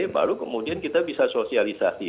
baru kemudian kita bisa sosialisasi